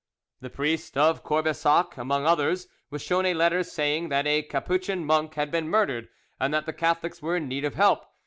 The priest of Courbessac, among others, was shown a letter saying that a Capuchin monk had been murdered, and that the Catholics were in need of help.